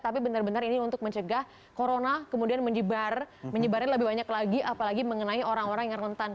tapi benar benar ini untuk mencegah corona kemudian menyebar menyebarnya lebih banyak lagi apalagi mengenai orang orang yang rentan